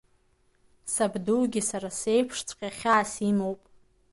Сабдугьы сара сеиԥшҵәҟьа хьаас имоуп.